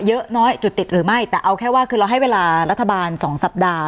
เยอะน้อยจุดติดหรือไม่แต่เอาแค่ว่าคือเราให้เวลารัฐบาลสองสัปดาห์